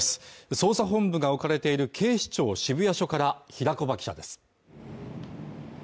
捜査本部が置かれている警視庁渋谷署から平木場記者です